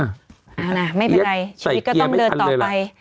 เอาล่ะไม่เป็นไรชีวิตก็ต้องเดินต่อไป